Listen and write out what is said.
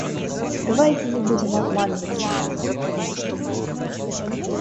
Давайте не будем обманывать себя.